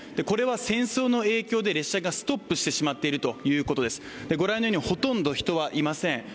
これは戦争の影響で列車がストップしてしまっているということです、ご覧のようにほとんど人はいません。